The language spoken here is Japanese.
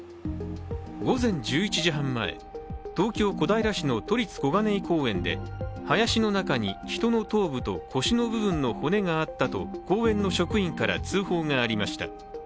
午前１１時半前、東京・小平市の都立小金井公園で林の中に人の頭部と腰の部分の骨があったと公園の職員から通報がありました。